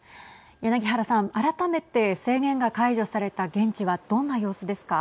柳原さん、改めて制限が解除された現地はどんな様子ですか。